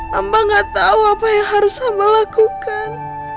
hamba gak tahu apa yang harus hamba lakukan